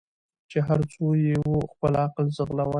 چي هر څو یې وو خپل عقل ځغلولی